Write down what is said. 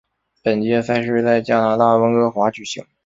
本届赛事在加拿大温哥华举行。